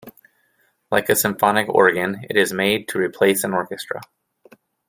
Like a symphonic organ, it is made to replace an orchestra.